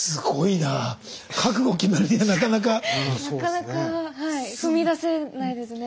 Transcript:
なかなかはい踏み出せないですね。